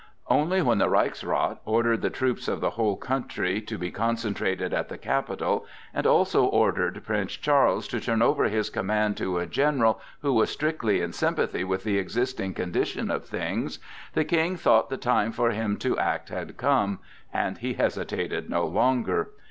Only when the Reichsrath ordered the troops of the whole country to be concentrated at the capital, and also ordered Prince Charles to turn over his command to a general who was strictly in sympathy with the existing condition of things, the King thought the time for him to act had come, and he hesitated no longer.